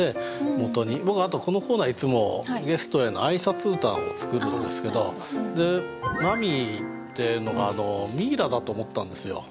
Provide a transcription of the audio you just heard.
僕あとこのコーナーいつもゲストへの挨拶歌を作るんですけど「マミィ」ってのがミイラだと思ったんですよ。